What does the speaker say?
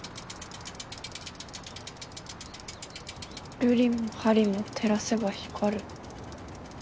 瑠璃も玻璃も照らせば光る。